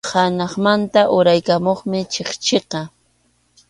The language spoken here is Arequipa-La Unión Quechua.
Hanaqmanta uraykamuqmi chikchiqa.